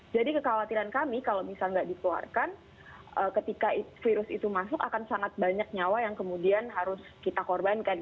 jadi kekhawatiran kami kalau misalnya nggak dikeluarkan ketika virus itu masuk akan sangat banyak nyawa yang kemudian harus kita korbankan